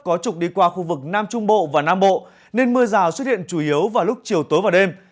có trục đi qua khu vực nam trung bộ và nam bộ nên mưa rào xuất hiện chủ yếu vào lúc chiều tối và đêm